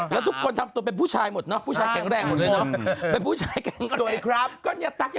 แล้วทุกคนทำเป็นผู้ชายหมดเนอะผู้ชายแข็งแรงหมดหรอ